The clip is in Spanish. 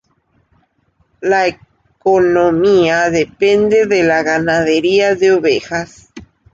La economía depende de la ganadería de ovejas.